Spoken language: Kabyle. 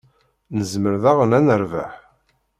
Nezmer daɣen ad nerbeḥ.